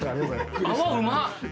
泡うまっ！